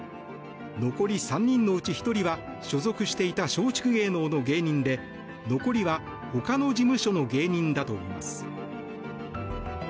残り３人のうち１人は所属していた松竹芸能の芸人で残りは、ほかの事務所の芸人だといいます。